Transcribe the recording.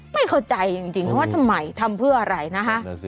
ไม่เข้าใจจริงว่าทำไมทำเพื่ออะไรนะคะ